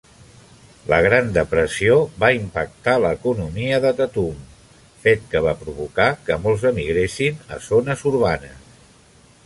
La Gran Depressió va impactar la economia de Tatum, fet que fa provocar que molts emigressin a zones urbanes.